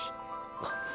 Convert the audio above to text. あっ。